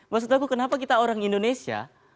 maksud aku kenapa kita orang indonesia